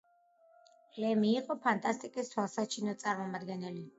ლემი იყო ფანტასტიკის თვალსაჩინო წარმომადგენელი.